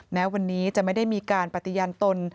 แม้วันนี้จะไม่ได้มีการปฏิญาณตน